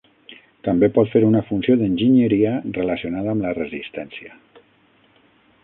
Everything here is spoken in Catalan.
També pot fer una funció d"enginyeria relacionada amb la resistència.